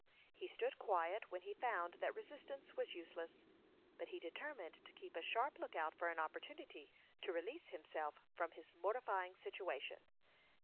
He stood quiet when he found that resistance was useless; but he determined to keep a sharp lookout for an opportunity to release himself from his mortifying situation.